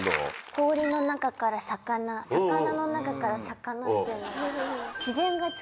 氷の中から魚魚の中から魚っていうのが。